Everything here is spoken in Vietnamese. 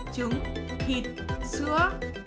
trứng thịt sữa